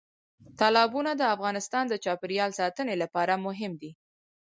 تالابونه د افغانستان د چاپیریال ساتنې لپاره مهم دي.